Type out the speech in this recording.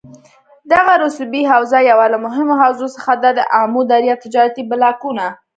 دغه رسوبي حوزه یوه له مهمو حوزو څخه ده دآمو دریا تجارتي بلاکونه